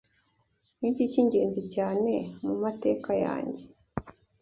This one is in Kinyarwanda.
Niki cyingenzi cyane mumateka yanjye